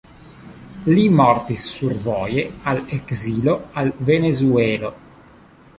Li mortis survoje al ekzilo al Venezuelo.